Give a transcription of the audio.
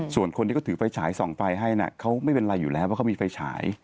ส่วนคนที่เขาถือไฟฉายส่องไฟให้เขาไม่เป็นไรอยู่แล้วเพราะเขามีไฟฉาย